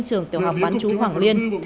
trường tiểu học bán chú hoàng liên